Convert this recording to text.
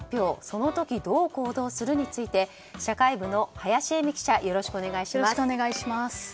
その時、どう行動するについて社会部の林英美記者よろしくお願いします。